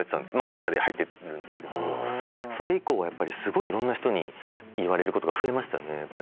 赤で入ってるんですけどそれ以降はすごい色んな人に言われることが増えましたね